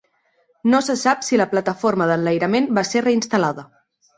No se sap si la plataforma d'enlairament va ser reinstal·lada.